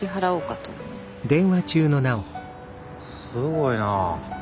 はあすごいなあ。